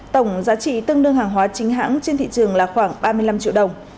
tổng giá trị tương đương hàng hóa chính hãng trên thị trường là khoảng ba mươi năm triệu đồng